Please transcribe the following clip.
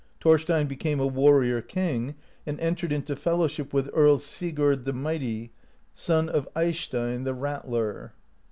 Thorstein became a warrior king, and entered into fel lowship with Earl Sigurd the Mighty, son of Eystein the Rattler.